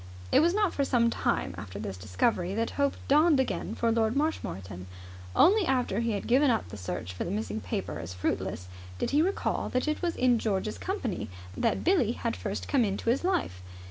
It was not for some time after this discovery that hope dawned again for Lord Marshmoreton. Only after he had given up the search for the missing paper as fruitless did he recall that it was in George's company that Billie had first come into his life.